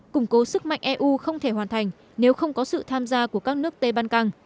củng cố sức mạnh eu không thể hoàn thành nếu không có sự tham gia của các nước tây ban căng